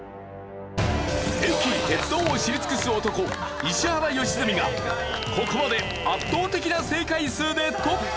駅鉄道を知り尽くす男石原良純がここまで圧倒的な正解数でトップ！